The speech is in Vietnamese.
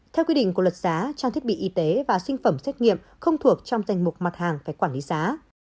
theo quy định của luật giá trang thiết bị y tế và sinh phẩm xét nghiệm không thuộc trong danh mục mặt hàng phải quản lý giá